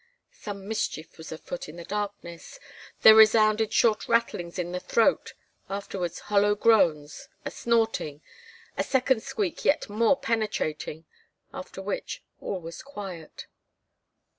Some mischief was afoot in the darkness; there resounded short rattlings in the throat, afterwards hollow groans, a snorting, a second squeak yet more penetrating, after which all was quiet.